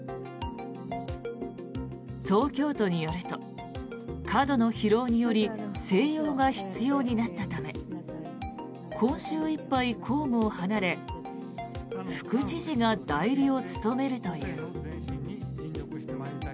東京都によると過度の疲労により静養が必要になったため今週いっぱい公務を離れ副知事が代理を務めるという。